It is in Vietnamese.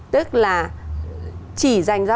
tức là chỉ dành ra